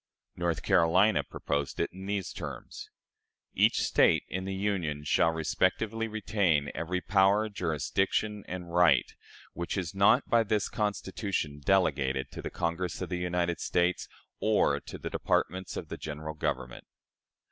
North Carolina proposed it in these terms: "Each State in the Union shall respectively retain every power, jurisdiction, and right, which is not by this Constitution delegated to the Congress of the United States or to the departments of the General Government."